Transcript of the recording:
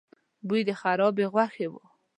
بوی د خرابې غوښې و.